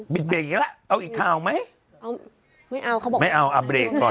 ไม่เอาเขาบอกไม่เอาอัพเบรกก่อน